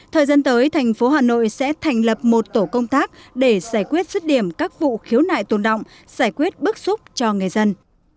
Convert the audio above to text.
thời gian tới thành phố hà nội sẽ thành lập một tổ công tác để giải quyết rứt điểm các vụ khiếu nại tồn động giải quyết bức xúc cho người dân